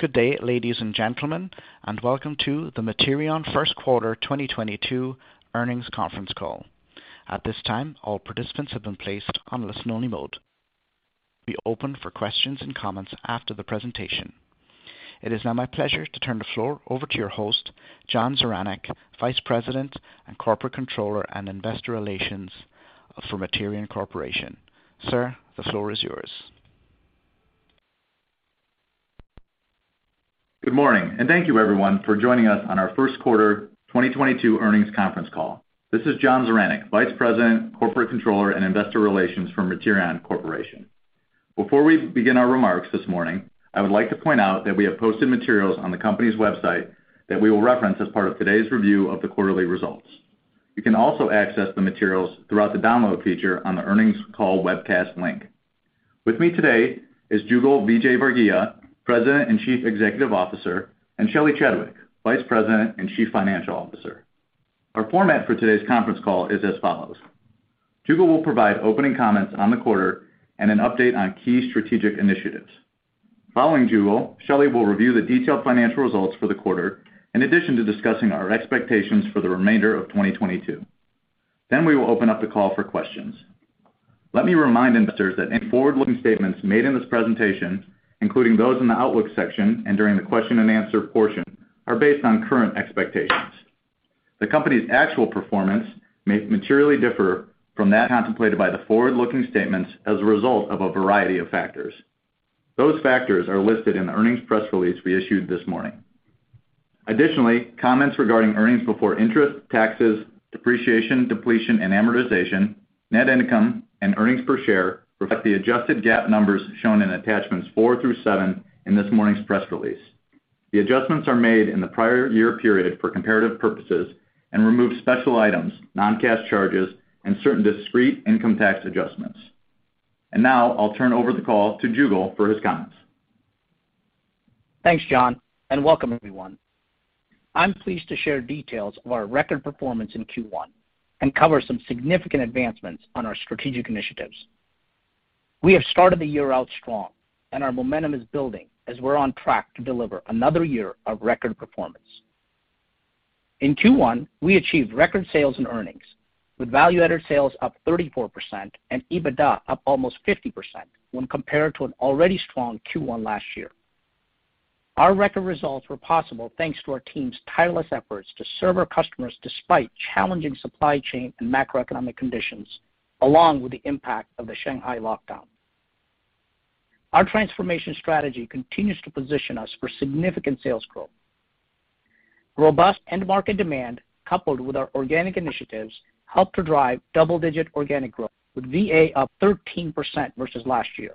Good day, ladies and gentlemen, and welcome to the Materion Q1 2022 Earnings Conference Call. At this time, all participants have been placed on listen-only mode. The line will be open for questions and comments after the presentation. It is now my pleasure to turn the floor over to your host, John Zaranec, Vice President, Corporate Controller, and Investor Relations for Materion Corporation. Sir, the floor is yours. Good morning, and thank you, everyone, for joining us on our Q1 2022 Earnings Conference Call. This is John Zaranec, Vice President, Corporate Controller, and Investor Relations for Materion Corporation. Before we begin our remarks this morning, I would like to point out that we have posted materials on the company's website that we will reference as part of today's review of the quarterly results. You can also access the materials throughout the download feature on the Earnings Call webcast link. With me today is Jugal Vijayvargiya, President and Chief Executive Officer, and Shelly Chadwick, Vice President and Chief Financial Officer. Our format for today's Conference Call is as follows. Jugal will provide opening comments on the quarter and an update on key strategic initiatives. Following Jugal, Shelley will review the detailed financial results for the quarter in addition to discussing our expectations for the remainder of 2022. We will open up the call for questions. Let me remind investors that any forward-looking statements made in this presentation, including those in the outlook section and during the Q&A portion, are based on current expectations. The company's actual performance may materially differ from that contemplated by the forward-looking statements as a result of a variety of factors. Those factors are listed in the earnings press release we issued this morning. Additionally, comments regarding earnings before interest, taxes, depreciation, depletion, and amortization, net income, and earnings per share reflect the adjusted GAAP numbers shown in attachments four through seven in this morning's press release. The adjustments are made in the prior year period for comparative purposes and remove special items, non-cash charges, and certain discrete income tax adjustments. Now I'll turn over the call to Jugal for his comments. Thanks, John, and welcome everyone. I'm pleased to share details of our record performance in Q1 and cover some significant advancements on our strategic initiatives. We have started the year out strong and our momentum is building as we're on track to deliver another year of record performance. In Q1, we achieved record sales and earnings with value-added sales up 34% and EBITDA up almost 50% when compared to an already strong Q1 last year. Our record results were possible thanks to our team's tireless efforts to serve our customers despite challenging supply chain and macroeconomic conditions, along with the impact of the Shanghai lockdown. Our transformation strategy continues to position us for significant sales growth. Robust end market demand coupled with our organic initiatives helped to drive double-digit organic growth with VA up 13% versus last year.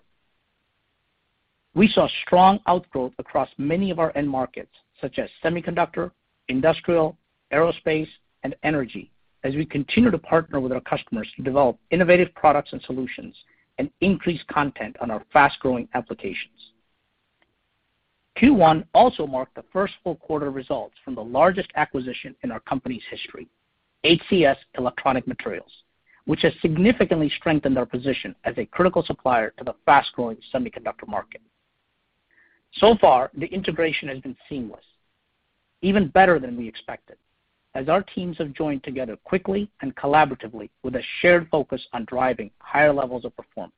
We saw strong outgrowth across many of our end markets, such as semiconductor, industrial, aerospace, and energy as we continue to partner with our customers to develop innovative products and solutions and increase content on our fast-growing applications. Q1 also marked the first full quarter results from the largest acquisition in our company's history, HCS-Electronic Materials, which has significantly strengthened our position as a critical supplier to the fast-growing semiconductor market. So far, the integration has been seamless, even better than we expected as our teams have joined together quickly and collaboratively with a shared focus on driving higher levels of performance.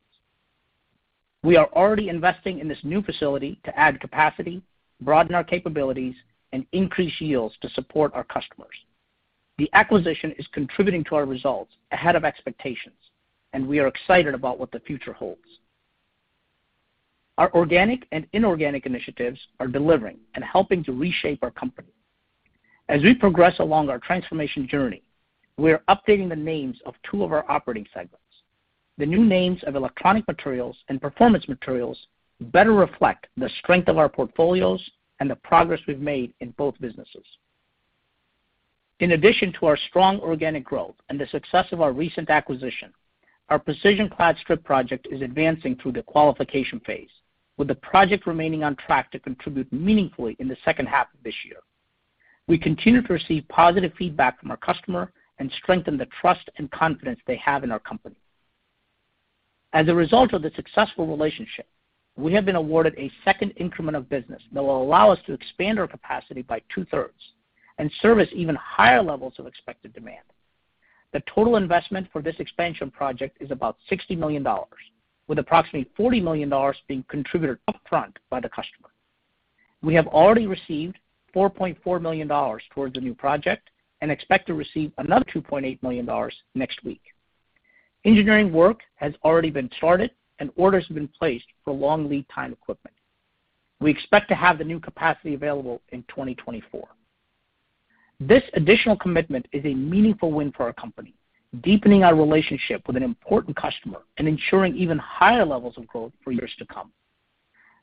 We are already investing in this new facility to add capacity, broaden our capabilities, and increase yields to support our customers. The acquisition is contributing to our results ahead of expectations, and we are excited about what the future holds. Our organic and inorganic initiatives are delivering and helping to reshape our company. As we progress along our transformation journey, we are updating the names of two of our operating segments. The new names of Electronic Materials and Performance Materials better reflect the strength of our portfolios and the progress we've made in both businesses. In addition to our strong organic growth and the success of our recent acquisition, our precision clad strip project is advancing through the qualification phase with the project remaining on track to contribute meaningfully in H2 2023. We continue to receive positive feedback from our customer and strengthen the trust and confidence they have in our company. As a result of the successful relationship, we have been awarded a second increment of business that will allow us to expand our capacity by two-thirds and service even higher levels of expected demand. The total investment for this expansion project is about $60 million, with approximately $40 million being contributed upfront by the customer. We have already received $4.4 million towards the new project and expect to receive another $2.8 million next week. Engineering work has already been started, and orders have been placed for long lead time equipment. We expect to have the new capacity available in 2024. This additional commitment is a meaningful win for our company, deepening our relationship with an important customer and ensuring even higher levels of growth for years to come.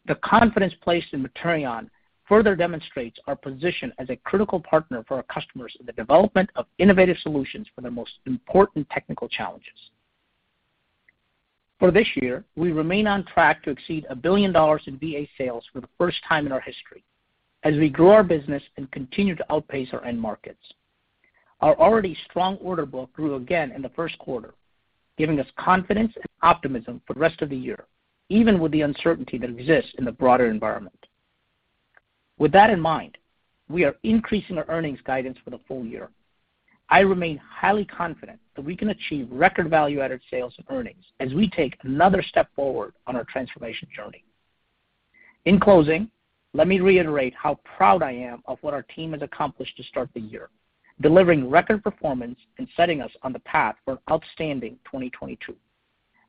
The confidence placed in Materion further demonstrates our position as a critical partner for our customers in the development of innovative solutions for their most important technical challenges. For this year, we remain on track to exceed $1 billion in VA sales for the first time in our history as we grow our business and continue to outpace our end markets. Our already strong order book grew again in Q1, giving us confidence and optimism for the rest of the year, even with the uncertainty that exists in the broader environment. With that in mind, we are increasing our earnings guidance for the full year. I remain highly confident that we can achieve record value-added sales and earnings as we take another step forward on our transformation journey. In closing, let me reiterate how proud I am of what our team has accomplished to start the year, delivering record performance and setting us on the path for an outstanding 2022.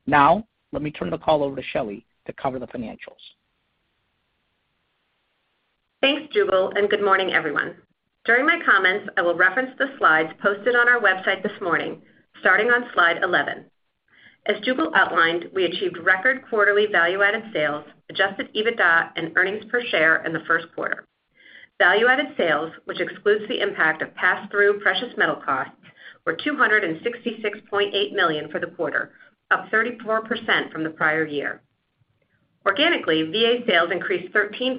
Now, let me turn the call over to Shelley to cover the financials. Thanks, Jugal, and good morning, everyone. During my comments, I will reference the slides posted on our website this morning, starting on slide 11. As Jugal outlined, we achieved record quarterly value-added sales, adjusted EBITDA and earnings per share in Q1. Value-added sales, which excludes the impact of pass-through precious metal costs, were $266.8 million for the quarter, up 34% from the prior year. Organically, VA sales increased 13%,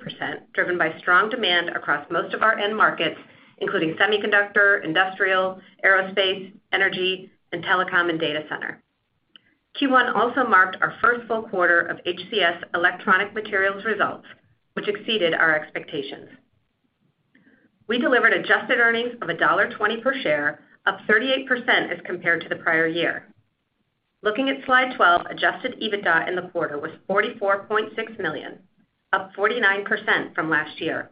driven by strong demand across most of our end markets, including semiconductor, industrial, aerospace, energy, and telecom, and data center. Q1 also marked our first full quarter of HCS Electronic Materials results, which exceeded our expectations. We delivered adjusted earnings of $1.20 per share, up 38% as compared to the prior year. Looking at slide 12, adjusted EBITDA in the quarter was $44.6 million, up 49% from last year.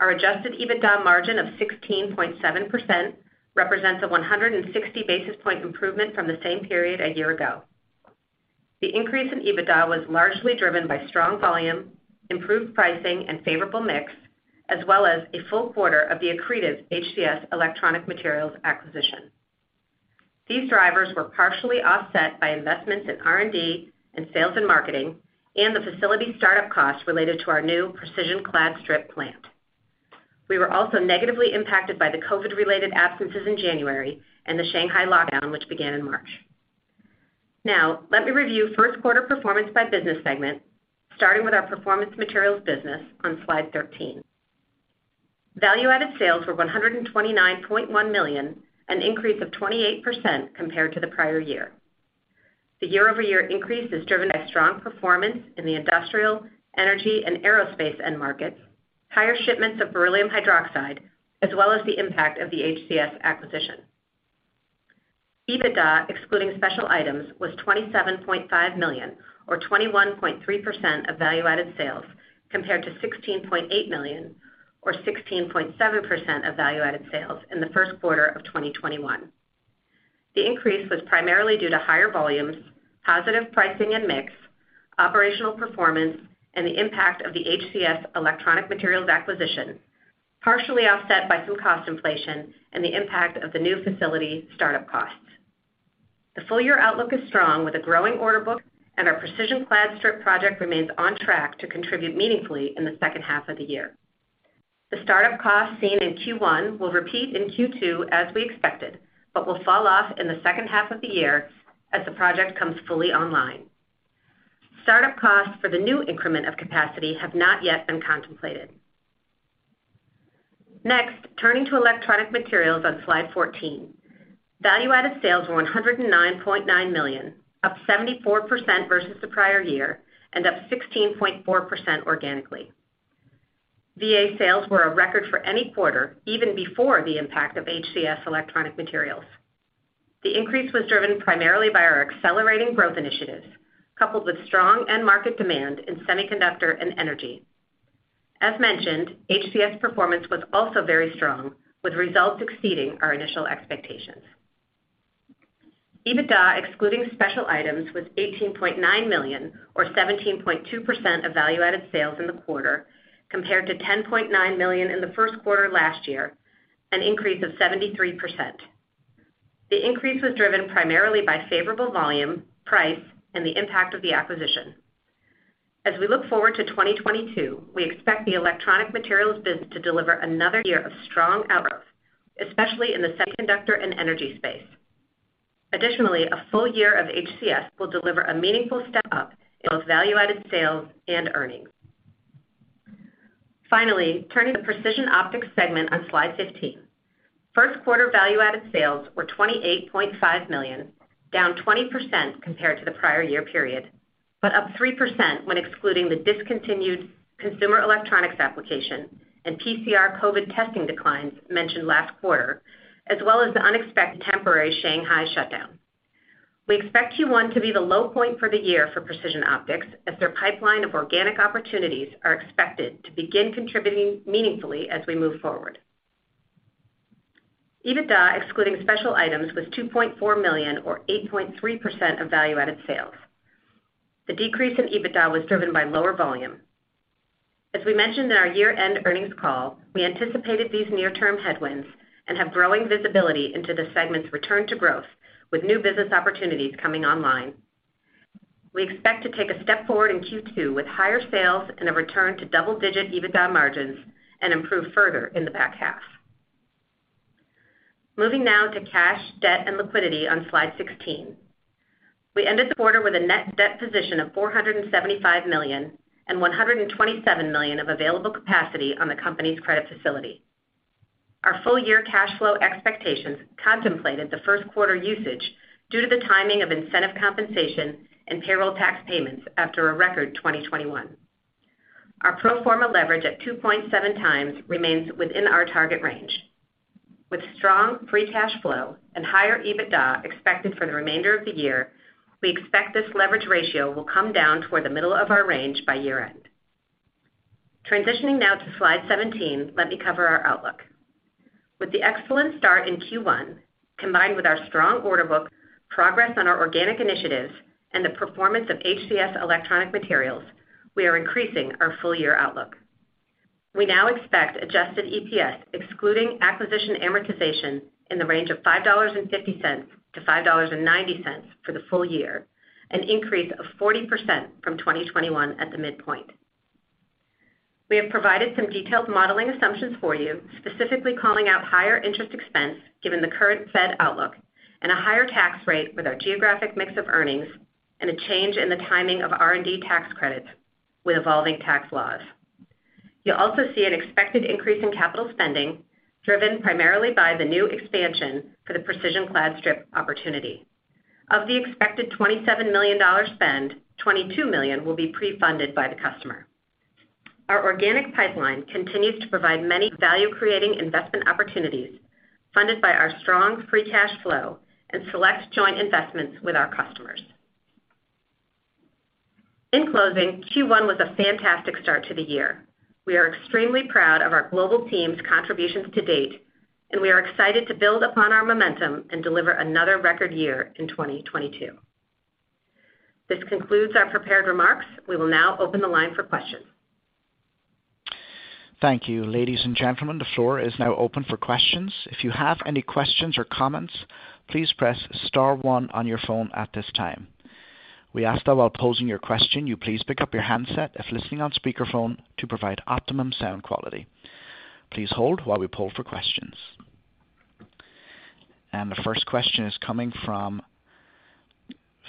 Our adjusted EBITDA margin of 16.7% represents a 160 basis point improvement from the same period a year ago. The increase in EBITDA was largely driven by strong volume, improved pricing, and favorable mix, as well as a full quarter of the accretive HCS Electronic Materials acquisition. These drivers were partially offset by investments in R&D and sales and marketing, and the facility start-up costs related to our new precision clad strip plant. We were also negatively impacted by the COVID-related absences in January and the Shanghai lockdown, which began in March. Now, let me review Q1 performance by business segment, starting with our Performance Materials business on slide 13. Value-added sales were $129.1 million, an increase of 28% compared to the prior year. The year-over-year increase is driven by strong performance in the industrial, energy, and aerospace end markets, higher shipments of beryllium hydroxide, as well as the impact of the HCS acquisition. EBITDA, excluding special items, was $27.5 million or 21.3% of value-added sales, compared to $16.8 million or 16.7% of value-added sales in Q1 2021. The increase was primarily due to higher volumes, positive pricing and mix, operational performance, and the impact of the HCS Electronic Materials acquisition, partially offset by some cost inflation and the impact of the new facility start-up costs. The full year outlook is strong with a growing order book, and our precision clad strip project remains on track to contribute meaningfully in H2 The start-up costs seen in Q1 will repeat in Q2 as we expected, but will fall off in H2 as the project comes fully online. Start-up costs for the new increment of capacity have not yet been contemplated. Next, turning to Electronic Materials on slide 14. Value-added sales were $109.9 million, up 74% versus the prior year and up 16.4% organically. VA sales were a record for any quarter even before the impact of HCS-Electronic Materials. The increase was driven primarily by our accelerating growth initiatives, coupled with strong end market demand in semiconductor and energy. As mentioned, HCS performance was also very strong, with results exceeding our initial expectations. EBITDA, excluding special items, was $18.9 million or 17.2% of value-added sales in the quarter, compared to $10.9 million in Q1 last year, an increase of 73%. The increase was driven primarily by favorable volume, price, and the impact of the acquisition. As we look forward to 2022, we expect the electronic materials business to deliver another year of strong outlook, especially in the semiconductor and energy space. Additionally, a full year of HCS will deliver a meaningful step up in both value-added sales and earnings. Finally, turning to the Precision Optics segment on slide 15. Q1 value-added sales were $28.5 million, down 20% compared to the prior year period, but up 3% when excluding the discontinued consumer electronics application and PCR COVID testing declines mentioned last quarter, as well as the unexpected temporary Shanghai shutdown. We expect Q1 to be the low point for the year for Precision Optics, as their pipeline of organic opportunities are expected to begin contributing meaningfully as we move forward. EBITDA, excluding special items, was $2.4 million or 8.3% of value-added sales. The decrease in EBITDA was driven by lower volume. As we mentioned in our year-end earnings call, we anticipated these near-term headwinds and have growing visibility into the segment's return to growth with new business opportunities coming online. We expect to take a step forward in Q2 with higher sales and a return to double-digit EBITDA margins and improve further in the back half. Moving now to cash, debt, and liquidity on slide 16. We ended the quarter with a net debt position of $475 million and $127 million of available capacity on the company's credit facility. Our full year cash flow expectations contemplated Q1 usage due to the timing of incentive compensation and payroll tax payments after a record 2021. Our pro forma leverage at 2.7x remains within our target range. With strong free cash flow and higher EBITDA expected for the remainder of the year, we expect this leverage ratio will come down toward the middle of our range by year-end. Transitioning now to slide 17, let me cover our outlook. With the excellent start in Q1, combined with our strong order book, progress on our organic initiatives, and the performance of HCS electronic materials, we are increasing our full year outlook. We now expect adjusted EPS excluding acquisition amortization in the range of $5.50-$5.90 for the full year, an increase of 40% from 2021 at the midpoint. We have provided some detailed modeling assumptions for you, specifically calling out higher interest expense given the current Fed outlook and a higher tax rate with our geographic mix of earnings and a change in the timing of R&D tax credits with evolving tax laws. You'll also see an expected increase in capital spending, driven primarily by the new expansion for the precision clad strip opportunity. Of the expected $27 million spend, $22 million will be pre-funded by the customer. Our organic pipeline continues to provide many value-creating investment opportunities funded by our strong free cash flow and select joint investments with our customers. In closing, Q1 was a fantastic start to the year. We are extremely proud of our global team's contributions to date, and we are excited to build upon our momentum and deliver another record year in 2022. This concludes our prepared remarks. We will now open the line for questions. Thank you. Ladies and gentlemen, the floor is now open for questions. If you have any questions or comments, please press star one on your phone at this time. We ask that while posing your question, you please pick up your handset if listening on speakerphone to provide optimum sound quality. Please hold while we poll for questions. The first question is coming from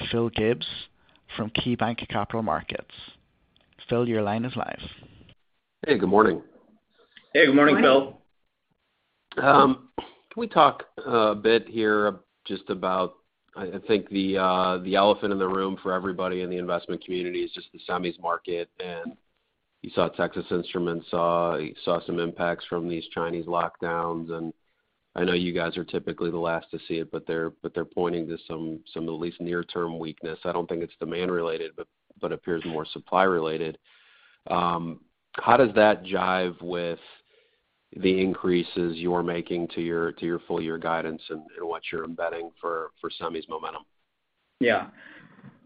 Philip Gibbs from KeyBanc Capital Markets. Phil, your line is live. Hey, good morning. Hey, good morning, Phil. Can we talk a bit here just about? I think the elephant in the room for everybody in the investment community is just the semis market. You saw Texas Instruments saw some impacts from these Chinese lockdowns, and I know you guys are typically the last to see it, but they're pointing to some at least near-term weakness. I don't think it's demand-related, but appears more supply-related. How does that jibe with the increases you're making to your full-year guidance and what you're embedding for semis momentum? Yeah.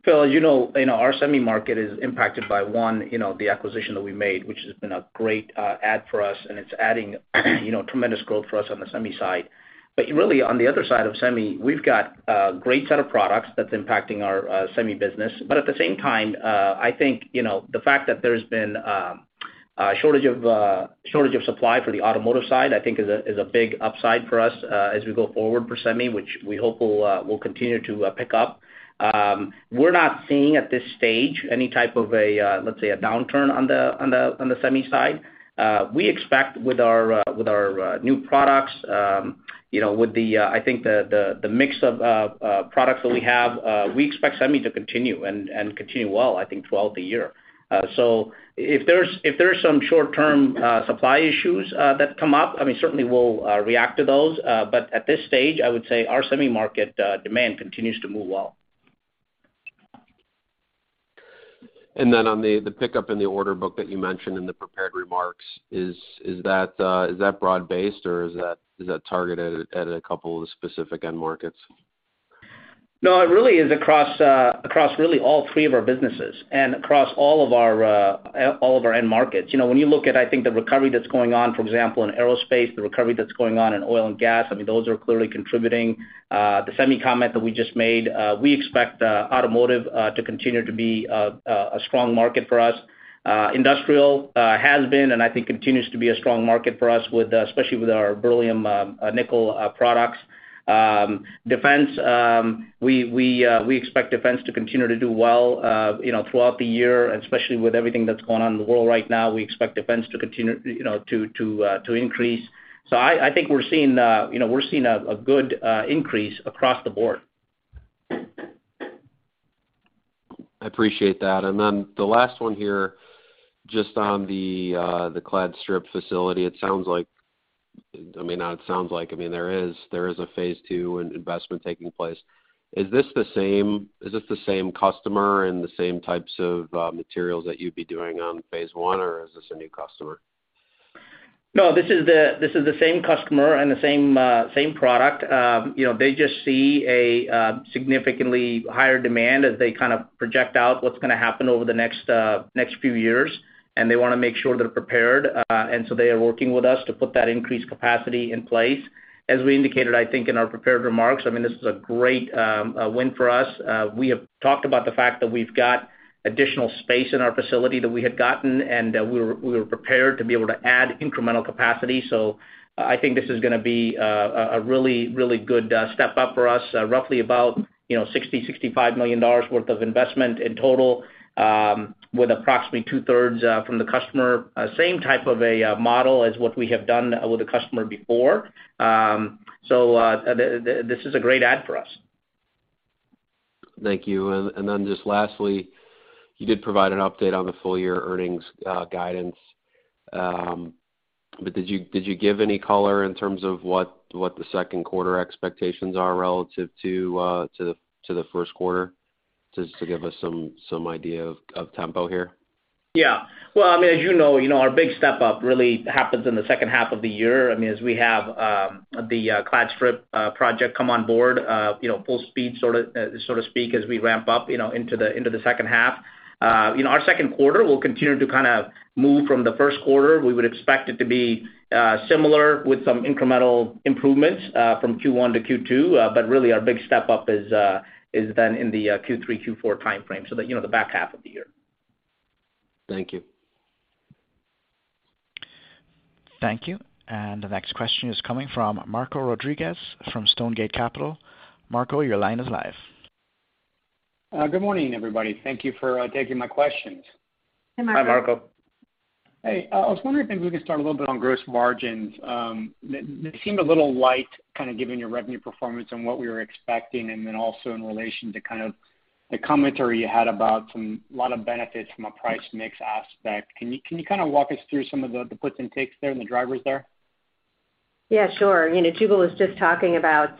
Phil, you know, our semi market is impacted by one, you know, the acquisition that we made, which has been a great add for us, and it's adding, you know, tremendous growth for us on the semi side. But really on the other side of semi, we've got a great set of products that's impacting our semi business. But at the same time, I think, you know, the fact that there's been a shortage of supply for the automotive side, I think is a big upside for us as we go forward for semi, which we hope will continue to pick up. We're not seeing at this stage any type of a, let's say, a downturn on the semi side. We expect with our new products, you know, with the, I think the mix of products that we have, we expect semi to continue and continue well, I think, throughout the year. So if there's some short-term supply issues that come up, I mean, certainly we'll react to those. But at this stage, I would say our semi market demand continues to move well. On the pickup in the order book that you mentioned in the prepared remarks, is that broad-based or is that targeted at a couple of specific end markets? No, it really is across really all three of our businesses and across all of our end markets. You know, when you look at, I think, the recovery that's going on, for example, in aerospace, the recovery that's going on in oil and gas, I mean, those are clearly contributing. The semi comment that we just made, we expect automotive to continue to be a strong market for us. Industrial has been and I think continues to be a strong market for us with especially with our beryllium nickel products. Defense, we expect defense to continue to do well, you know, throughout the year, especially with everything that's going on in the world right now. We expect defense to continue, you know, to increase. I think we're seeing, you know, a good increase across the board. I appreciate that. Then the last one here, just on the clad strip facility, I mean, there is a phase two in investment taking place. Is this the same customer and the same types of materials that you'd be doing on phase one, or is this a new customer? No, this is the same customer and the same product. You know, they just see a significantly higher demand as they kind of project out what's gonna happen over the next few years, and they wanna make sure they're prepared. They are working with us to put that increased capacity in place. As we indicated, I think in our prepared remarks, I mean, this is a great win for us. We have talked about the fact that we've got additional space in our facility that we had gotten, and we were prepared to be able to add incremental capacity. I think this is gonna be a really good step up for us, roughly about, you know, $65 million worth of investment in total, with approximately two-thirds from the customer. Same type of a model as what we have done with the customer before. This is a great add for us. Thank you. Just lastly, you did provide an update on the full-year Earnings guidance. Did you give any color in terms of what Q2 expectations are relative to Q1? Just to give us some idea of tempo here. Yeah. Well, I mean, as you know, our big step up really happens in H2 I mean, as we have the clad strip project come on board, you know, full speed, sort of, so to speak, as we ramp up, you know, into the second half. You know, our Q2 will continue to kinda move from Q1. We would expect it to be similar with some incremental improvements from Q1 to Q2. Really our big step up is then in the Q3, Q4 timeframe. You know, the back half of the year. Thank you. Thank you. The next question is coming from Marco Rodriguez from Stonegate Capital. Marco, your line is live. Good morning, everybody. Thank you for taking my questions. Hi, Marco. Hi, Marco. Hey, I was wondering if we could start a little bit on gross margins. They seem a little light, kinda given your revenue performance and what we were expecting, and then also in relation to kind of the commentary you had about some, a lot of benefits from a price mix aspect. Can you kinda walk us through some of the puts and takes there and the drivers there? Yeah, sure. You know, Jugal was just talking about,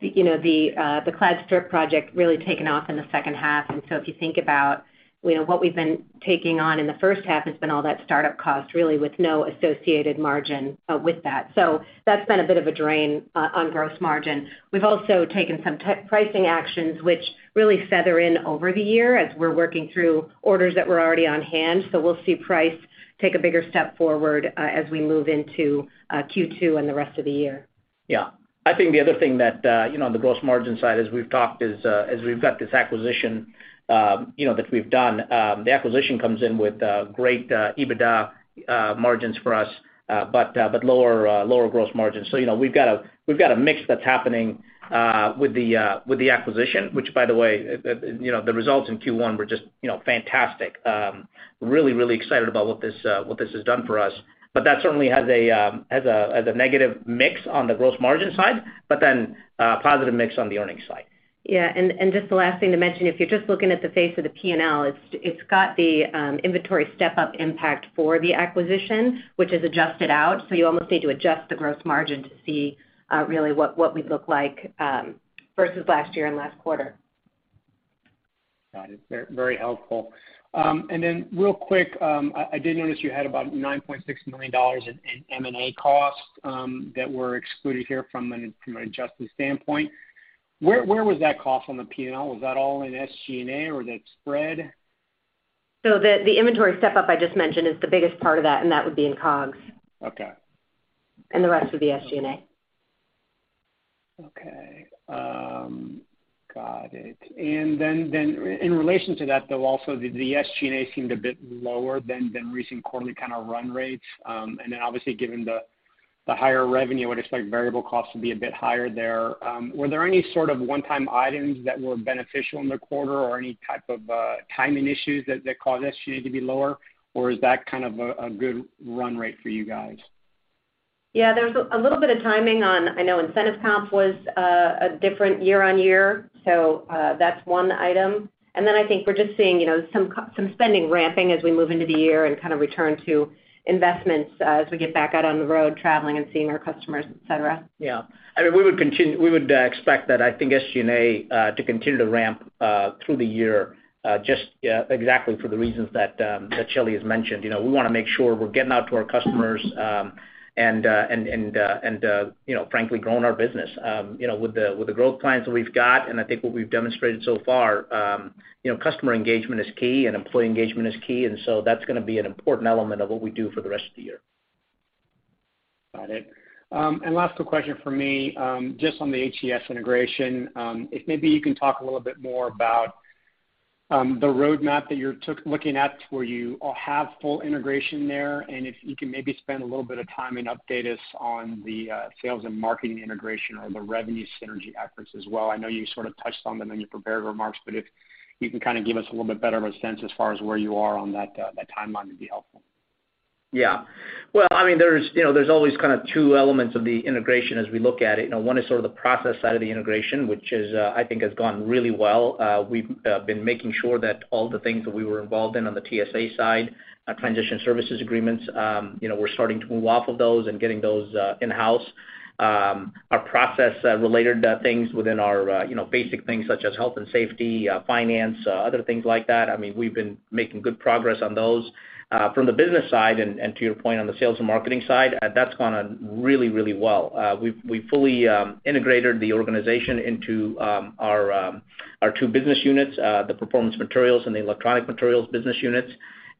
you know, the clad strip project really took off in the second half. If you think about it, you know, what we've been taking on in the first half has been all that startup cost, really, with no associated margin. That's been a bit of a drain on gross margin. We've also taken some pricing actions, which really filter in over the year as we're working through orders that were already on hand. We'll see price take a bigger step forward, as we move into Q2 and the rest of the year. Yeah. I think the other thing that, you know, on the gross margin side, as we've talked is; that as we've got this acquisition, you know, that we've done, the acquisition comes in with great EBITDA margins for us, but lower gross margins. You know, we've got a mix that's happening with the acquisition, which by the way, the results in Q1 were just, you know, fantastic. Really excited about what this has done for us. That certainly has a negative mix on the gross margin side, but then a positive mix on the earnings side. Yeah. Just the last thing to mention, if you're just looking at the face of the Profit and Loss, it's got the inventory step-up impact for the acquisition, which is adjusted out. You almost need to adjust the gross margin to see really what we'd look like versus last year and last quarter. Got it. Very, very helpful. Real quick, I did notice you had about $9.6 million in M&A costs that were excluded here from an adjusted standpoint. Where was that cost on the Profit and Loss? Was that all in SG&A, or was it spread? The inventory step up I just mentioned is the biggest part of that, and that would be in COGS. Okay. The rest would be SG&A. Okay. Got it. In relation to that, though, also, the SG&A seemed a bit lower than recent quarterly kinda run rates. Obviously, given the higher revenue, I would expect variable costs to be a bit higher there. Were there any sort of one-time items that were beneficial in the quarter or any type of timing issues that caused SG&A to be lower? Is that kind of a good run rate for you guys? Yeah, there's a little bit of timing on. I know incentive comp was a different year-on-year, so that's one item. Then I think we're just seeing, you know, some spending ramping as we move into the year and kinda return to investments as we get back out on the road traveling and seeing our customers, et cetera. Yeah. I mean, we would expect that, I think SG&A to continue to ramp through the year just exactly for the reasons that Shelley has mentioned. You know, we wanna make sure we're getting out to our customers, and you know, frankly, growing our business. You know, with the growth plans that we've got and I think what we've demonstrated so far, you know, customer engagement is key, and employee engagement is key, and so that's gonna be an important element of what we do for the rest of the year. Got it. Last quick question from me, just on the HCS integration. If you can talk a little bit more about the roadmap that you're looking at to where you all have full integration there, and if you can maybe spend a little bit of time and update us on the sales and marketing integration or the revenue synergy efforts as well. I know you sort of touched on them in your prepared remarks, but if you can kinda give us a little bit better of a sense of whether are on that timeline, that it'd be helpful. Yeah. Well, I mean, there's, you know, there's always kind of two elements of the integration as we look at it. You know, one is sort of the process side of the integration, which is, I think has gone really well. We've been making sure that all the things that we were involved in on the TSA side, our transition services agreements, you know, we're starting to move off of those and getting those, in-house. Our process-related things within our, you know, basic things, such as health and safety, finance, other things like that, I mean, we've been making good progress on those. From the business side, and to your point on the sales and marketing side, that's gone, really, really well. We've fully integrated the organization into our two business units, the Performance Materials and the Electronic Materials business units.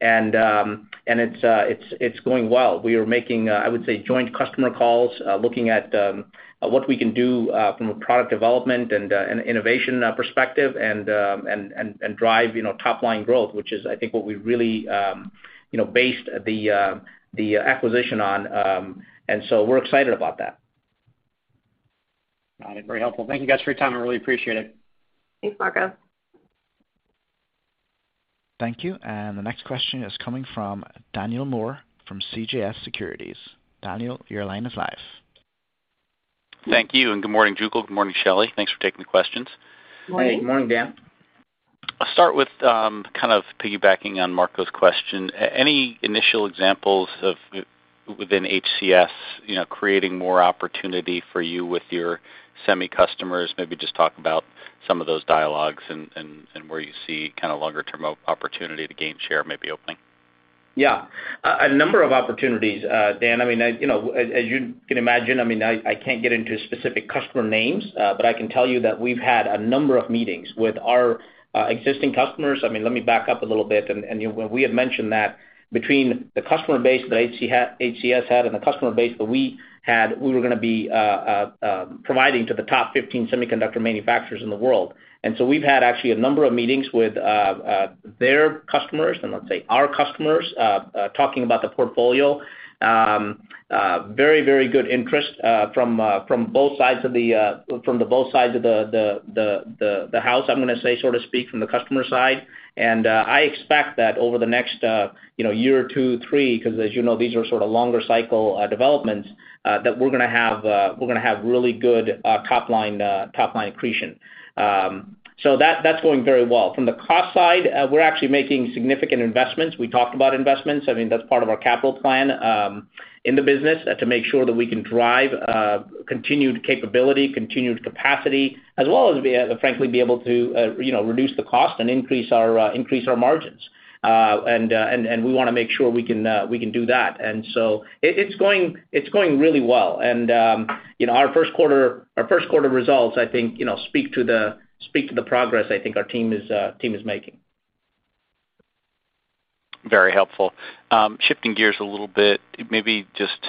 It's going well. We are making, I would say, joint customer calls, looking at what we can do from a product development and innovation perspective, and drive, you know, top-line growth, which is, I think, what we really, you know, based the acquisition on. We're excited about that. Got it. Very helpful. Thank you guys for your time. I really appreciate it. Thanks, Marco. Thank you. The next question is coming from Daniel Moore from CJS Securities. Daniel, your line is live. Thank you, and good morning, Jugal. Good morning, Shelley. Thanks for taking the questions. Morning. Hey, good morning, Dan. I'll start with kind of piggybacking on Marco's question. Any initial examples of within HCS, you know, creating more opportunity for you with your semi customers, maybe just talk about some of those dialogues and where you see a kind of longer-term opportunity to gain share, maybe opening. Yeah. A number of opportunities, Dan. I mean, you know, as you can imagine, I mean, I can't get into specific customer names, but I can tell you that we've had a number of meetings with our existing customers. I mean, let me back up a little bit. When we had mentioned that between the customer base that HCS had and the customer base that we had, we were gonna be providing to the top 15 semiconductor manufacturers in the world. We've had a number of meetings with their customers, and let's say, our customers, talking about the portfolio. Very good interest from both sides of the house, I'm gonna say, so to speak, from the customer side. I expect that over the next year or two, three, 'cause as you know, these are sort of longer cycle developments that we're gonna have really good top-line accretion. So that's going very well. From the cost side, we're actually making significant investments. We talked about investments. I mean, that's part of our capital plan in the business to make sure that we can drive continued capability, continued capacity, as well as frankly be able to reduce the cost and increase our margins. We wanna make sure we can do that. It's going really well. You know, our Q1 results, I think, you know, speak to the progress I think our team is making. Very helpful. Shifting gears a little bit, maybe just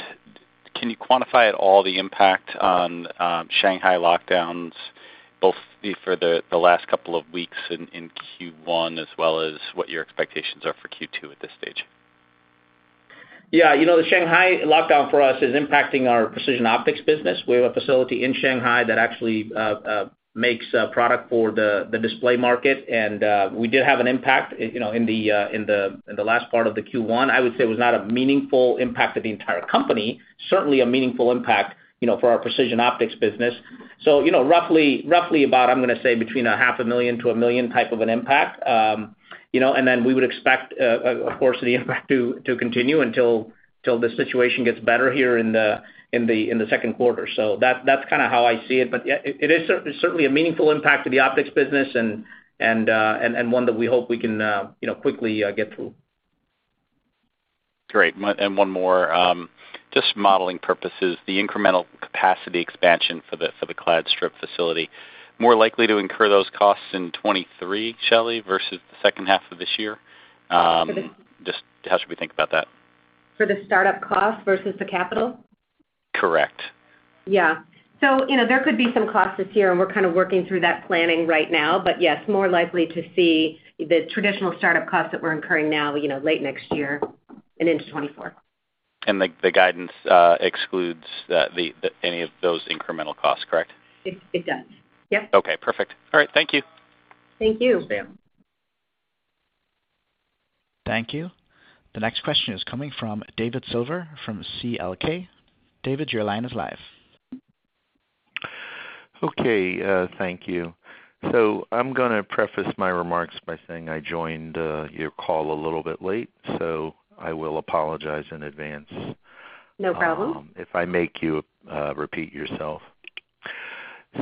can you quantify at all the impact on Shanghai lockdowns, both for the last couple of weeks in Q1 as well as what your expectations are for Q2 at this stage? Yeah. You know, the Shanghai lockdown for us is impacting our Precision Optics business. We have a facility in Shanghai that actually makes a product for the display market. We did have an impact, you know, in the last part of Q1. I would say it was not a meaningful impact to the entire company, certainly a meaningful impact, you know, for our Precision Optics business. You know, roughly about, I'm gonna say, between half a million to $1 million type of an impact. You know, we would expect, of course, the impact to continue until the situation gets better here in Q2. That's kinda how I see it. Yeah, it is certainly a meaningful impact to the optics business and one that we hope we can, you know, quickly get through. Great. One and one more. Just for modeling purposes, the incremental capacity expansion for the clad strip facility, more likely to incur those costs in 2023, Shelley, versus the second half of this year? For the- Just how should we think about that? For the startup cost versus the capital? Correct. Yeah. You know, there could be some costs this year, and we're kind of working through that planning right now. Yes, more likely to see the traditional startup costs that we're incurring now, you know, late next year and into 2024. The guidance excludes any of those incremental costs, correct? It does. Yep. Okay. Perfect. All right. Thank you. Thank you. Thanks, Dan. Thank you. The next question is coming from David Silver from CL King. David, your line is live. Okay, thank you. I'm gonna preface my remarks by saying I joined your call a little bit late, so I will apologize in advance. No problem. If I make you repeat yourself.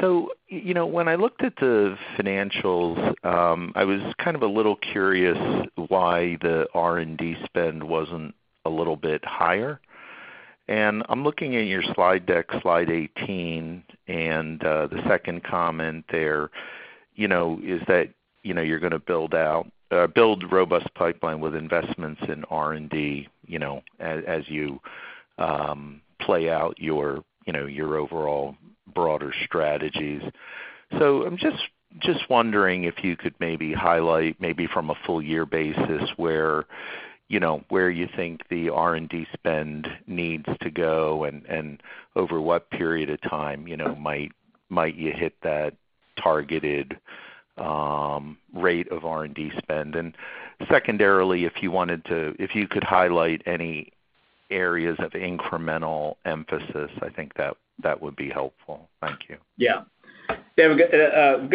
You know, when I looked at the financials, I was kind of a little curious why the R&D spend wasn't a little bit higher. I'm looking at your slide deck, slide 18, and the second comment there, you know, is that, you know, you're gonna build robust pipeline with investments in R&D, you know, as you play out your, you know, your overall broader strategies. I'm just wondering if you could maybe highlight from a full year basis where, you know, where you think the R&D spend needs to go and over what period of time, you know, might you hit that targeted rate of R&D spend. Secondly, if you could highlight any areas of incremental emphasis, I think that would be helpful. Thank you. Yeah. David,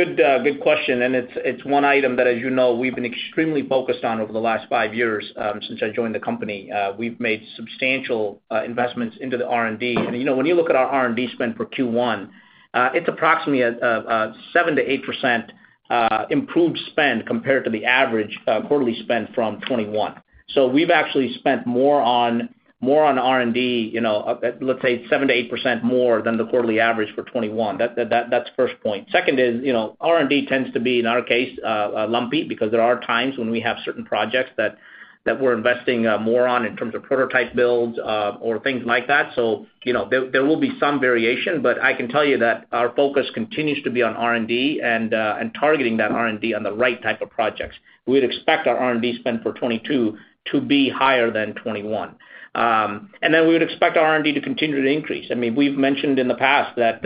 good question, and it's one item that, as you know, we've been extremely focused on over the last five years, since I joined the company. We've made substantial investments in the R&D. You know, when you look at our R&D spend for Q1, it's approximately a 7%-8% improved spend compared to the average quarterly spend from 2021. We've actually spent more on R&D, you know, let's say 7%-8% more than the quarterly average for 2021. That's the first point. Second is, you know, R&D tends to be, in our case, lumpy because there are times when we have certain projects that we're investing more on in terms of prototype builds, or things like that. You know, there will be some variation, but I can tell you that our focus continues to be on R&D and targeting that R&D on the right type of projects. We'd expect our R&D spend for 2022 to be higher than 2021. We would expect R&D to continue to increase. I mean, we've mentioned in the past that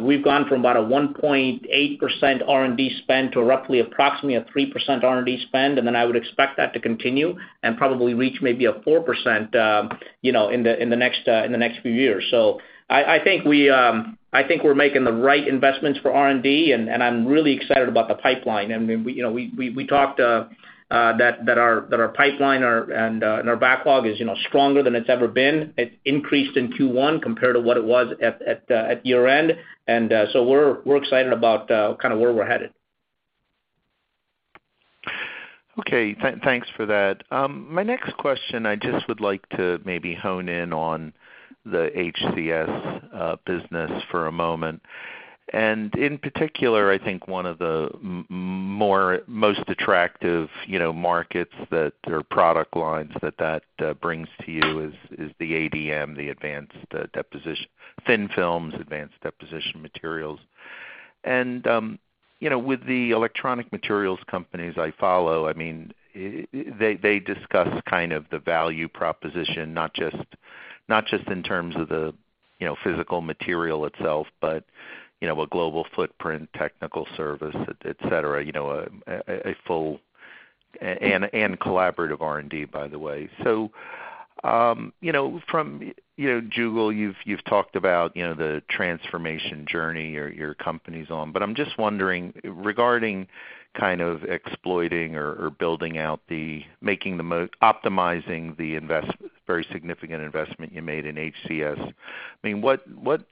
we've gone from about a 1.8% R&D spend to roughly a 3% R&D spend, and then I would expect that to continue and probably reach maybe a 4% in the next few years. I think we're making the right investments for R&D, and I'm really excited about the pipeline. I mean, you know, we talked about our pipeline and our backlog is, you know, stronger than it's ever been. It increased in Q1 compared to what it was at year-end. We're excited about kind of where we're headed. Okay. Thanks for that. My next question, I just would like to maybe hone in on the HCS business for a moment. In particular, I think one of the most attractive, you know, markets or product lines that brings to you is the ADM, the advanced deposition thin films, advanced deposition materials. You know, with the electronic materials companies I follow, I mean, they discuss kind of the value proposition, not just in terms of the physical material itself, but a global footprint, technical service, et cetera. You know, a full and collaborative R&D, by the way. You know, from Jugal, you've talked about, you know, the transformation journey your company's on, but I'm just wondering regarding kind of exploiting or building out, optimizing the very significant investment you made in HCS. I mean, what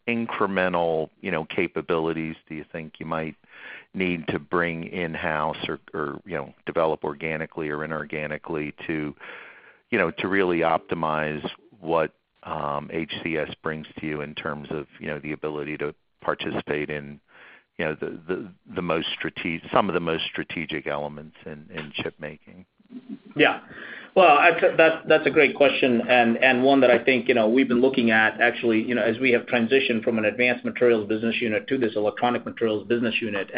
incremental, you know, capabilities do you think you might need to bring in-house or, you know, develop organically or inorganically to, you know, to really optimize what HCS brings to you in terms of, you know, the ability to participate in, you know, some of the most strategic elements in chip making? Yeah. Well, that's a great question and one that I think, you know, we've been looking at actually, you know, as we have transitioned from an advanced materials business unit to this electronic materials business unit.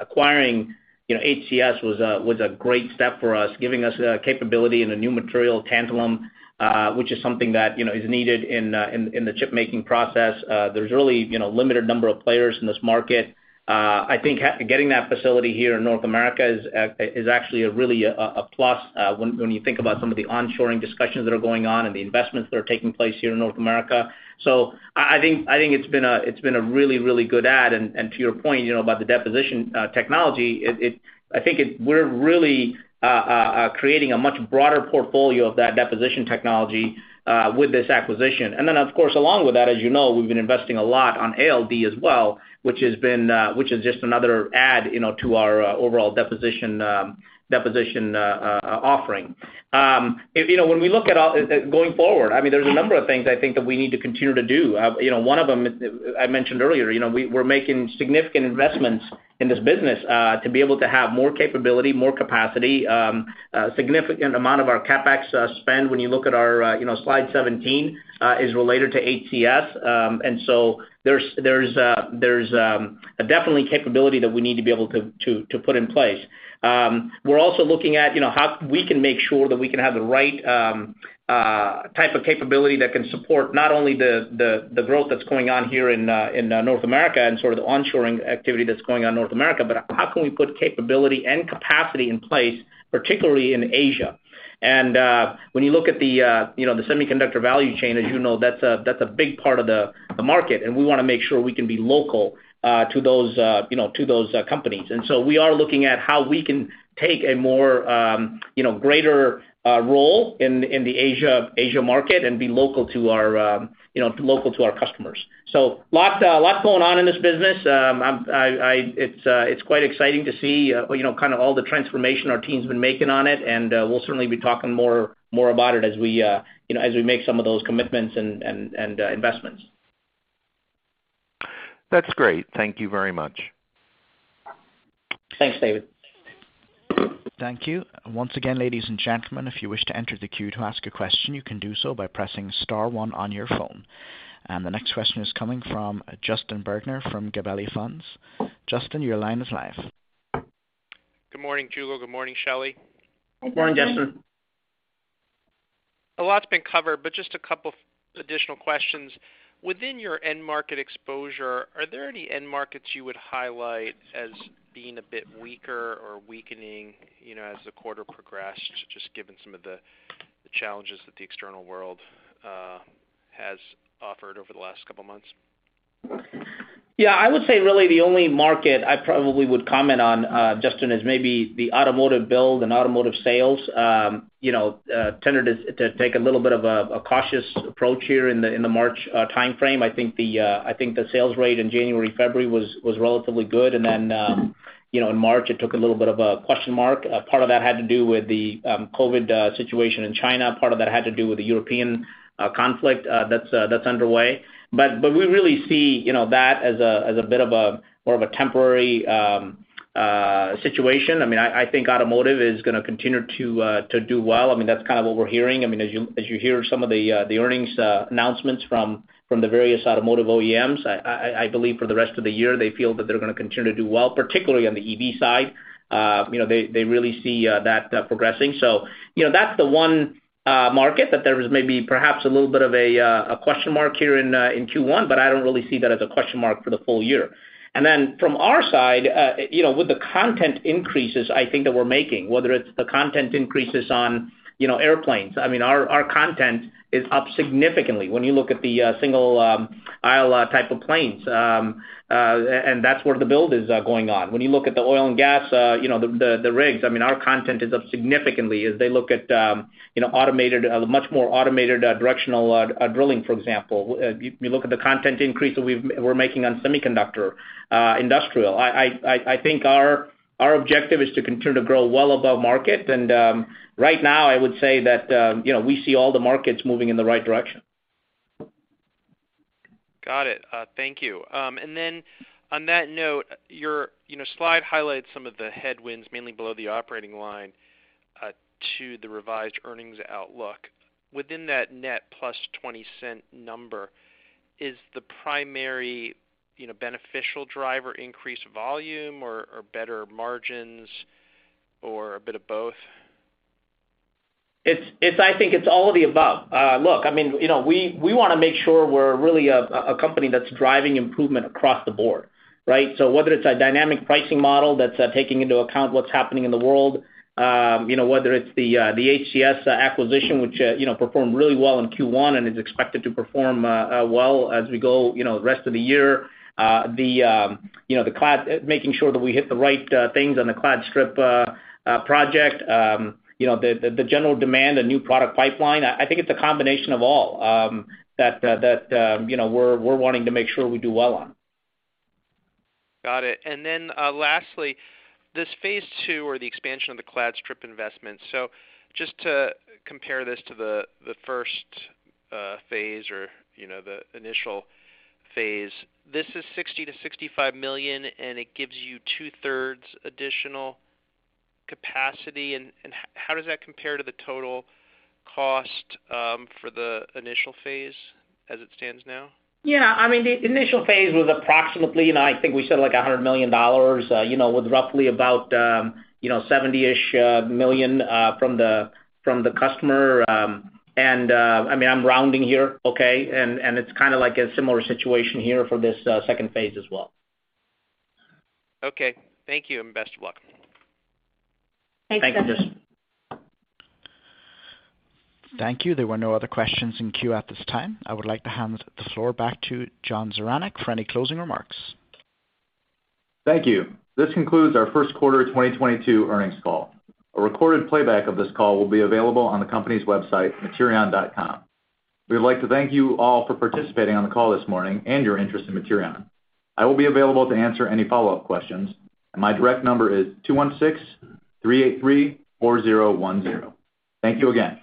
Acquiring HCS was a great step for us, giving us the capability and a new material, tantalum, which is something that, you know, is needed in the chip-making process. There's really, you know, limited number of players in this market. I think getting that facility here in North America is actually a real plus when you think about some of the onshoring discussions that are going on and the investments that are taking place here in North America. I think it's been a really good add. To your point, you know, about the deposition technology, we're really creating a much broader portfolio of that deposition technology with this acquisition. Of course, along with that, as you know, we've been investing a lot in ALD as well, which is just another add, you know, to our overall deposition offering. You know, when we look at all going forward, I mean, there are a number of things I think that we need to continue to do. You know, one of them is. I mentioned earlier, you know, we're making significant investments in this business to be able to have more capability, more capacity. A significant amount of our CapEx spend, when you look at our, you know, slide 17, is related to HCS. There's definitely a capability that we need to be able to put in place. We're also looking at, you know, how we can make sure that we can have the right type of capability that can support not only the growth that's going on here in North America and sort of the onshoring activity that's going on in North America, but also how we can have the capability and capacity in place, particularly in Asia. When you look at the semiconductor value chain, as you know, that's a big part of the market, and we wanna make sure we can be local to those companies. We are looking at how we can take a greater role in the Asian market and be local to our customers. Lots going on in this business. It's quite exciting to see kind of all the transformation our team's been making on it, and we'll certainly be talking more about it as we make some of those commitments and investments. That's great. Thank you very much. Thanks, David. Thank you. Once again, ladies and gentlemen, if you wish to enter the queue to ask a question, you can do so by pressing star one on your phone. The next question is coming from Justin Bergner from Gabelli Funds. Justin, your line is live. Good morning, Jugal. Good morning, Shelly. Good morning, Justin. A lot's been covered, but just a couple of additional questions. Within your end market exposure, are there any end markets you would highlight as being a bit weaker or weakening, you know, as the quarter progressed, just given some of the challenges that the external world has offered over the last couple of months? Yeah. I would say really the only market I probably would comment on, Justin, is maybe the automotive build and automotive sales, you know, tended to take a little bit of a cautious approach here in the March timeframe. I think the sales rate in January and February was relatively good. You know, in March, it took a little bit of a question mark. Part of that had to do with the COVID situation in China. Part of that had to do with the European conflict that's underway. We really see, you know, that as a bit of a more of a temporary situation. I mean, I think automotive is gonna continue to do well. I mean, that's kind of what we're hearing. I mean, as you hear some of the earnings announcements from the various automotive OEMs, I believe for the rest of the year, they feel that they're gonna continue to do well, particularly on the EV side. You know, they really see that progressing. You know, that's the one market that there was maybe perhaps a little bit of a question mark here in Q1, but I don't really see that as a question mark for the full year. Then from our side, you know, with the content building I think that we're making, whether it's the content increases on, you know, airplanes, I mean, our content is up significantly when you look at the single aisle type of planes. And that's where the building is going on. When you look at the oil and gas, you know, the rigs, I mean, our content is up significantly as they look at, you know, automated, much more automated directional drilling, for example. You look at the content increase that we're making on semiconductor industry. I think our objective is to continue to grow well above market. Right now, I would say that, you know, we see all the markets moving in the right direction. Got it. Thank you. On that note, you know, your slide highlights some of the headwinds mainly below the operating line to the revised earnings outlook. Within that net plus $0.20 number, is the primary, you know, beneficial driver increased volume or better margins or a bit of both? I think it's all of the above. Look, I mean, you know, we wanna make sure we're really a company that's driving improvement across the board, right? So whether it's a dynamic pricing model that's taking into account what's happening in the world, you know, whether it's the HCS acquisition, which, you know, performed really well in Q1 and is expected to perform well as we go, you know, the rest of the year. You know, making sure that we hit the right things on the clad strip project. You know, the general demand, a new product pipeline. I think it's a combination of all that, you know, we're wanting to make sure we do well on. Got it. Lastly, this phase two or the expansion of the clad strip investment. Just to compare this to the first phase or, you know, the initial phase, this is $60-$65 million, and it gives you two-thirds additional capacity. How does that compare to the total cost for the initial phase as it stands now? Yeah, I mean, the initial phase was approximately, and I think we said like $100 million, you know, with roughly about, you know, $70 million from the customer. I mean, I'm rounding here, okay? It's kinda like a similar situation here for this second phase as well. Okay. Thank you, and best of luck. Thank you, Justin. Thank you. There were no other questions in queue at this time. I would like to hand the floor back to John Zaranec for any closing remarks. Thank you. This concludes our Q1 2022 Earnings Call. A recorded playback of this call will be available on the company's website, materion.com. We would like to thank you all for participating in the call this morning and your interest in Materion. I will be available to answer any follow-up questions, and my direct number is 216-383-4010. Thank you again.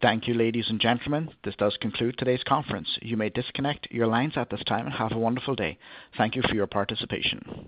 Thank you, ladies and gentlemen. This does conclude today's conference. You may disconnect your lines at this time. Have a wonderful day. Thank you for your participation.